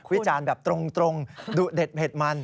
วิจารณ์แบบตรงดุเด็ดเผ็ดมัน